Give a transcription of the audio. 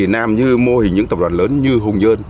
nam như mô hình những tập đoàn lớn như hùng nhơn